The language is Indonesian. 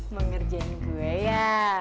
mau ngerjain gue ya